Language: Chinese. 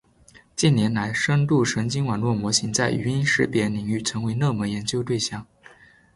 近年来，深度神经网络模型在语音识别领域成为热门研究对象。